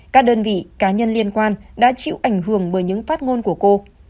các đơn vị cá nhân liên quan đã chịu ảnh hưởng bởi những phát ngôn của cô